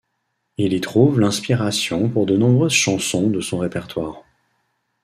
Il y trouve l'inspiration pour de nombreuses chansons de son répertoire.